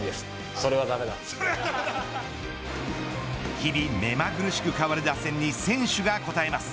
日々目まぐるしく変わる打線に選手が応えます。